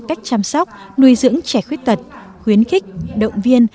cách chăm sóc nuôi dưỡng trẻ khuyết tật khuyến khích động viên